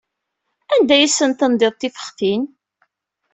Anda ay asen-tendiḍ tifextin?